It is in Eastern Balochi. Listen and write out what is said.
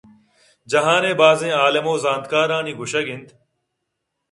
جہان ءِ بازیں عالم ءُ زانتکارانی گوٛشگ اِنت